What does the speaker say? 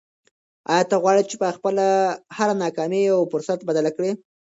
آیا ته غواړې چې خپله هره ناکامي په یو فرصت بدله کړې؟